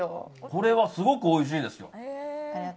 これはすごくおいしいですよ。